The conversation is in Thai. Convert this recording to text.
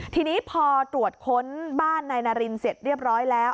ทีนี้พอตรวจค้นบ้านนายนารินเสร็จเรียบร้อยแล้ว